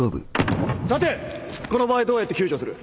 さてこの場合どうやって救助する？